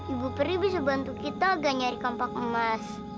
ibu perih bisa bantu kita agak nyari kapak emas